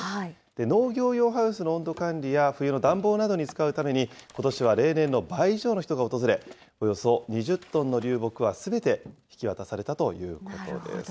農業用ハウスの温度管理や、冬の暖房などに使うために、ことしは例年の倍以上の人が訪れ、およそ２０トンの流木はすべて引き渡されたということです。